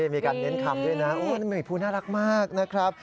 มีการเน้นคำด้วยนะโอ้มีภูน่ารักมากนะครับ